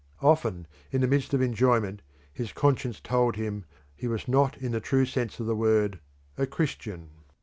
Often in the midst of enjoyment his conscience told him he was not in the true sense of the word a Christian.